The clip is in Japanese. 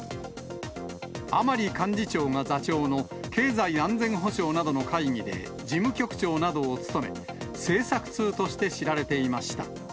甘利幹事長が座長の経済安全保障などの会議で、事務局長などを務め、政策通として知られていました。